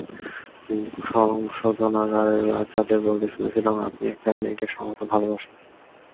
সংশোধনাগারের বাচ্চাদের বলতে শুনেছিলাম আপনি একটা মেয়েকে সম্ভবত ভালোবাসতেন।